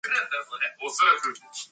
Seattle: The Mountaineers Books.